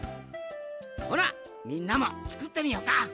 ほなみんなもつくってみよか！